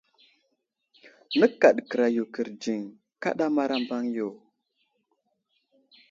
Nəkaɗ kəra yo kərdziŋ ,kaɗamar a mbaŋ yo.